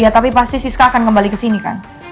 tapi pasti siska akan kembali ke sini kan